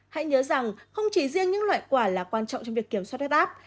hãy nhớ rằng không chỉ riêng những loại quả là quan trọng trong việc kiểm soát huyết áp